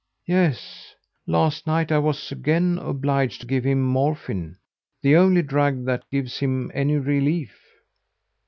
"Yes. Last night I was again obliged to give him morphine the only drug that gives him any relief."